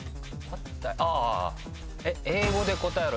あ「英語で答えろ」